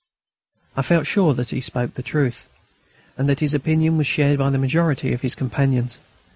I felt sure that he spoke the truth, and that his opinion was shared by the majority of his companions.